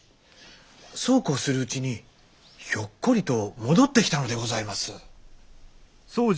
そうこうするうちにひょっこりと戻ってきたのでございます。